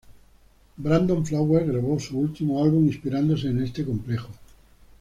Brandon Flowers grabó su último álbum inspirándose en este complejo.